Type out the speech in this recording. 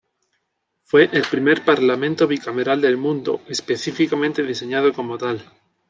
Fue el "primer Parlamento bicameral del mundo", específicamente diseñado como tal.